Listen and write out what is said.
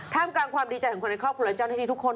กลางความดีใจของคนในครอบครัวและเจ้าหน้าที่ทุกคน